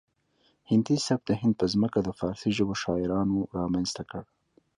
هندي سبک د هند په ځمکه د فارسي ژبو شاعرانو رامنځته کړ